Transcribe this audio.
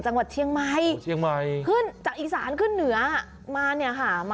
จังหวัดเชียงใหม่เชียงใหม่ขึ้นจากอีสานขึ้นเหนือมาเนี่ยค่ะมา